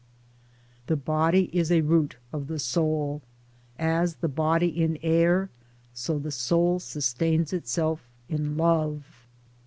The body is a root of the soul. As the body in air, so the soul sustains itself in love.